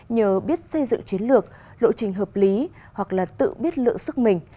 nhờ biết xây dựng chiến lược lộ trình hợp lý hoặc là tự biết lượng sức mình